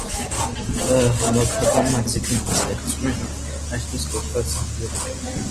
Հավաքական մազիկները ստեղծում են այսպես կոչված զամբյուղիկ։